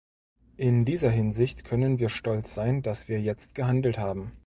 In dieser Hinsicht können wir stolz sein, dass wir jetzt gehandelt haben.